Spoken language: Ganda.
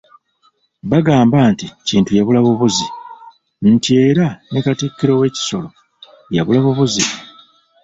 Bagamba nti Kintu yabula bubuzi, nti era ne Katikkiro we Kisolo yabula bubuzi.